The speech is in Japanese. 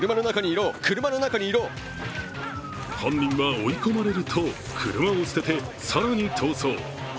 犯人は追い込まれると、車を捨てて、更に逃走。